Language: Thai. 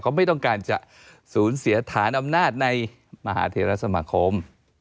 เขาไม่ต้องการจะสูญเสียฐานอำนาจในมหาเทรสมาคม